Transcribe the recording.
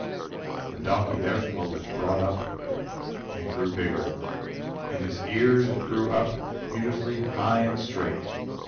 The donkey, therefore, was brought up and grew bigger, and his ears grew up beautifully high and straight.